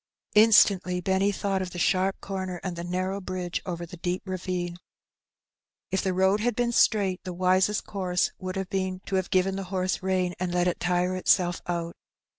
Instantly Benny thought of the sharp comer and the narrow bridge over the deep ravine. If the road had been straight, the wisest course would have been to have given the horse rein, and let it tire itself out.